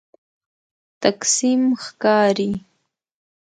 تقسیم ښکاري.